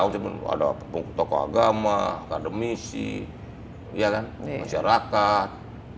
ada tokoh agama akademisi masyarakat